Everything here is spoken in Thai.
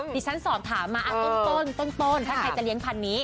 ที่ฉันสอบถามมาต้นถ้าใครจะเลี้ยงพันนี้